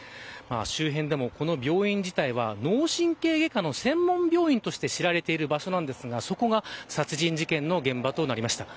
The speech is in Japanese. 周辺でも、この病院事態は脳神経外科の専門病院として知られているんですがそこが殺人事件の現場となりました。